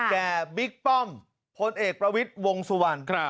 บิ๊กป้อมพลเอกประวิทย์วงสุวรรณ